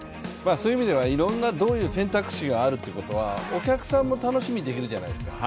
そういう意味ではいろんな選択肢があるということはお客さんも楽しみにできるじゃないですか。